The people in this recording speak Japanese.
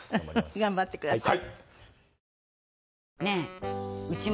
頑張ってください。